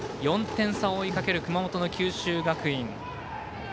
４点差を追いかける熊本の九州学院。